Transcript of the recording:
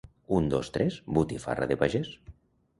Un, dos, tres..., botifarra de pagès!